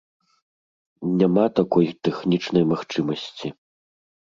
Няма такой тэхнічнай магчымасці.